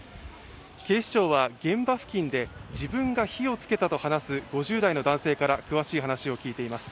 警視庁は現場付近で自分が火をつけたと話す５０代の男性から詳しい話を聞いています。